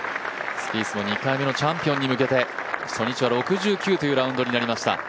スピースも２回目のチャンピオンに向けて、初日は６９というラウンドになりました。